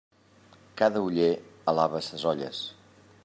Cada oller alaba ses olles.